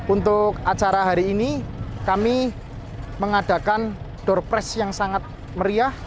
untuk acara hari ini kami mengadakan door press yang sangat meriah